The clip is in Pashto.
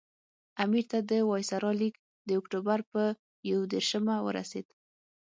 امیر ته د وایسرا لیک د اکټوبر پر یو دېرشمه ورسېد.